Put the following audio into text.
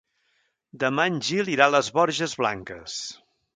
Demà en Gil irà a les Borges Blanques.